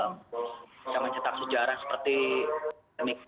bisa mencetak sejarah seperti ini